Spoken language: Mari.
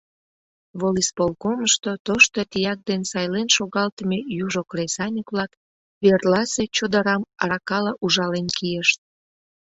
Волисполкомышто тошто тияк ден сайлен шогалтыме южо кресаньык-влак верласе чодырам аракала ужален кийышт.